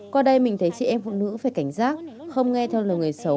qua đây mình thấy chị em phụ nữ phải cảnh giác không nghe theo lời người xấu